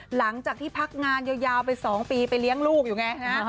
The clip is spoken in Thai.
หลังจากที่พักงานยาวไป๒ปีไปเลี้ยงลูกอยู่ไงนะ